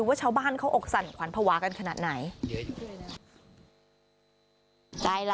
ว่าชาวบ้านเขาอกสั่นขวัญภาวะกันขนาดไหน